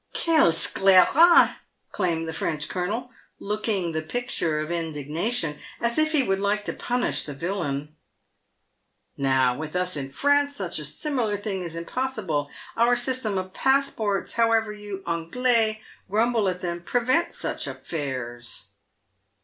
"Quel scelerat !" exclaimed the French colonel, looking the picture of indignation — as if he would like to punish the villain. " Now, with us in France, such a similar thing is impossible. Our system of passports, however you Anglais grumble at them, prevent such affairs."